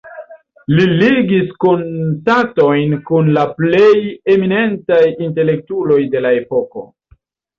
Li ligis kontaktojn kun la plej eminentaj intelektuloj de la epoko.